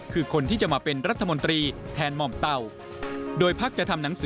คือคนที่จะมาเป็นรัฐมนตรีแทนหม่อมเต่า